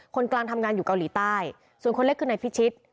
คนกลางทำงานอยู่เกาหลีใต้ส่วนคนเล็กคือนายพิชิต